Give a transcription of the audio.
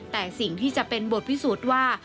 แต่สิ่งที่จะเป็นบทพิสูจน์ว่า